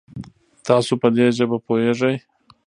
تاسو په دي ژبه پوهږئ؟